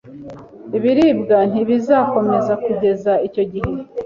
Ibiribwa ntibizakomeza kugeza icyo gihe